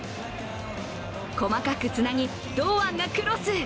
細かくつなぎ、堂安がクロス！